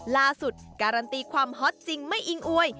ล่าสุดการันตีความฮอตจริงไม่อิงอวย